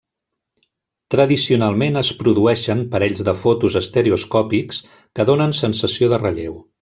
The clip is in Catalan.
Tradicionalment es produeixen parells de fotos estereoscòpics que donen sensació de relleu.